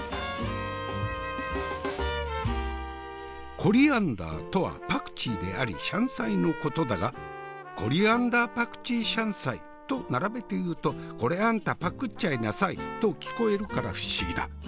コリアンダーとはパクチーでありシャンサイのことだがコリアンダーパクチーシャンサイと並べて言うとこれあんたパクっちゃいなさいと聞こえるから不思議だ。